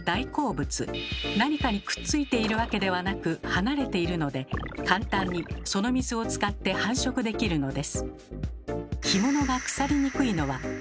何かにくっついているわけではなく離れているので簡単にその水を使って繁殖できるのです。